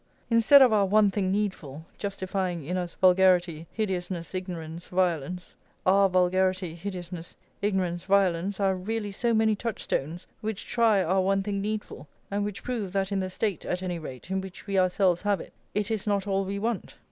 Instead of our "one thing needful," justifying in us vulgarity, hideousness, ignorance, violence, our vulgarity, hideousness, ignorance, violence, are really so many touchstones which try our one thing needful, and which prove that in the state, at any rate, in which we ourselves have it, it is not all we want.